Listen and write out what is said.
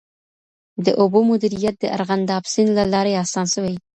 د اوبو مدیریت د ارغنداب سیند له لارې آسان سوي.